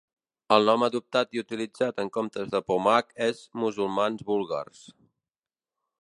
El nom adoptat i utilitzat en comptes de Pomak és "musulmans búlgars".